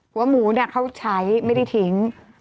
หัวหมูเขาใช้ไม่ได้ทิ้ง